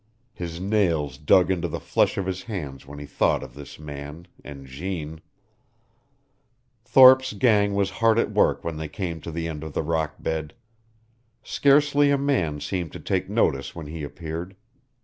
His nails dug into tie flesh of his hands when he thought of this man and Jeanne. Thorpe's gang was hard at work when they came to the end of the rock bed. Scarcely a man seemed to take notice when he appeared.